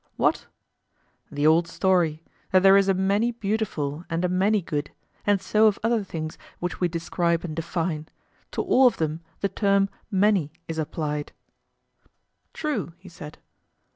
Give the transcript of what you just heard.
What? The old story, that there is a many beautiful and a many good, and so of other things which we describe and define; to all of them the term 'many' is applied. True, he said.